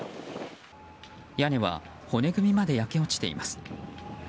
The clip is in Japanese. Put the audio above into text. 屋根は骨組みまで焼け落ちています。